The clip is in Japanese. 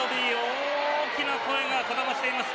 大きな声がこだましています。